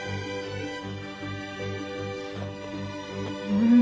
うん。